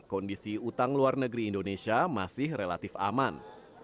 kondisi utang luar negeri indonesia masih relatif aman